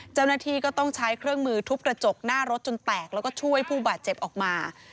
เจ้าหน้าที่ก็ต้องใช้เครื่องมือทุบกระจกหน้ารถจนแตกแล้วก็ช่วยผู้บาดเจ็บออกมา